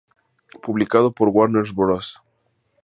Publicado por Warner Bros.